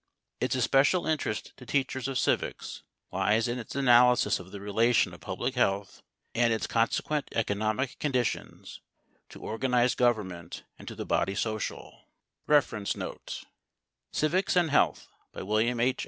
Its especial interest to teachers of civics lies in its analysis of the relation of public health and its consequent economic conditions to organized government and to the body social. ["Civics and Health." By William H.